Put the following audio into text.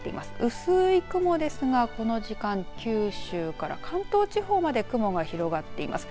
薄い雲ですがこの時間九州から関東地方まで雲が広がっています。